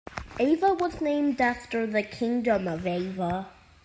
Ava was named after the Kingdom of Ava.